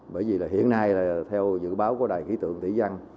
bởi vì hiện nay theo dự báo của đài thí tượng thí dân